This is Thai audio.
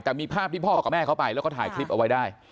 แต่มีภาพที่พ่อกับแม่เขาไปแล้วก็ถ่ายคลิปเอาไว้ได้